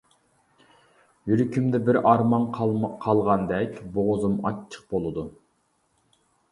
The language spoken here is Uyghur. يۈرىكىمدە بىر ئارمان قالغاندەك بوغۇزۇم ئاچچىق بولىدۇ.